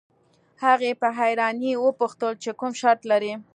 هغې په حيرانۍ وپوښتل چې کوم شرط لرئ.